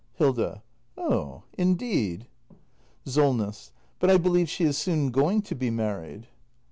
Hilda. Oh, indeed! SOLNESS. But I believe she is soon going to be married.